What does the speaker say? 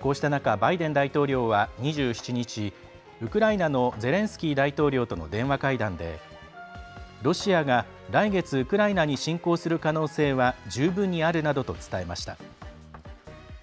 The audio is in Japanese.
こうした中、バイデン大統領は２７日、ウクライナのゼレンスキー大統領との電話会談で、ロシアが来月ウクライナに侵攻する可能性は十分にあるなどと伝えました。